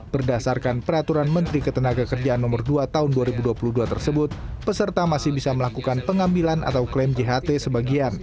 berdasarkan peraturan menteri ketenagakerjaan no dua tahun dua ribu dua puluh dua tersebut peserta masih bisa melakukan pengambilan atau klaim jht sebagian